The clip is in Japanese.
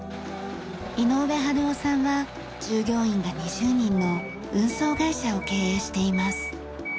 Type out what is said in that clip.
井上晴雄さんは従業員が２０人の運送会社を経営しています。